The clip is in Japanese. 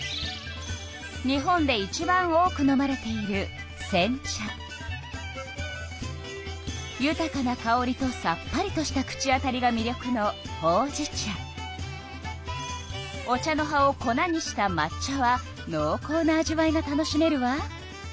日本でいちばん多く飲まれているゆたかなかおりとさっぱりとした口当たりがみりょくのお茶の葉を粉にしたまっ茶はのうこうな味わいが楽しめるわ。